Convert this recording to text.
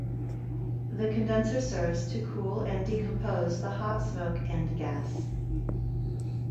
The condenser serves to cool and decompose the hot smoke and gas.